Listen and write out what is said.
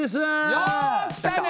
よう来たね！